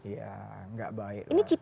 ya nggak baik lah